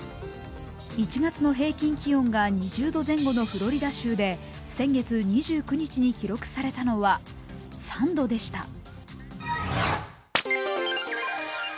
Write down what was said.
１月の平均気温が２０度前後のフロリダ州で先月２９日に記録されたのは３度でした。